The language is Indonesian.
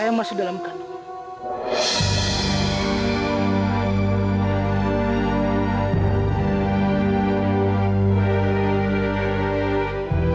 saya masih dalam kandung